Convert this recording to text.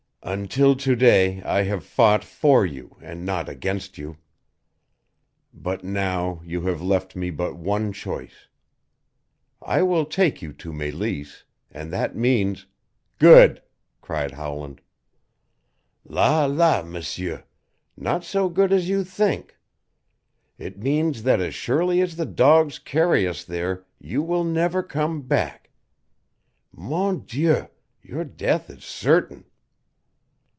"Until to day I have fought for you and not against you. But now you have left me but one choice. I will take you to Meleese, and that means " "Good!" cried Howland. "La, la, M'seur not so good as you think. It means that as surely as the dogs carry us there you will never come back. Mon Dieu, your death is certain!"